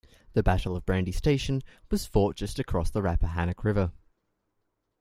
The Battle of Brandy Station was fought just across the Rappahannock River.